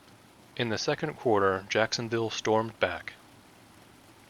In the second quarter, Jacksonville stormed back.